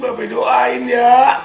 bapak doain ya